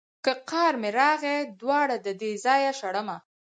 که قار مې راغی دواړه ددې ځايه شړمه.